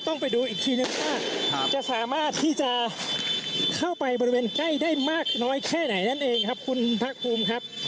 ต้องไปดูอีกทีนึงว่าจะสามารถที่จะเข้าไปบริเวณใกล้ได้มากน้อยแค่ไหนนั่นเองครับคุณภาคภูมิครับ